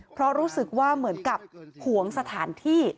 เพราะรู้สึกว่าเหมือนกับหวงสถานที่